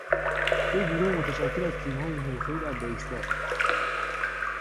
دو گروه متشکل از تیم های حرفهای در بیسبال